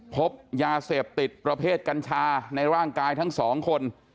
พบยาเสพติดประเภทกัญชาในร่างกายทั้งสองคน